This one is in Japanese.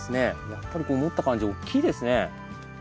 やっぱりこう持った感じ大きいですね。